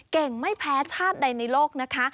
ไม่แพ้ชาติใดในโลกนะคะ